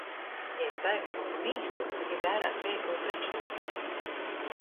Jei staigova pa mīstu i vērēs veikalu prečlūgūs.